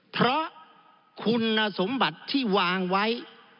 เพราะคุณสมบัติที่วางไว้